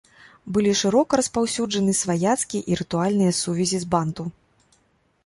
Былі шырока распаўсюджаны сваяцкія і рытуальныя сувязі з банту.